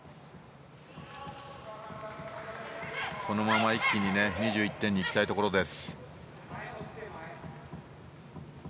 このまま一気に２１点にいきたいところです。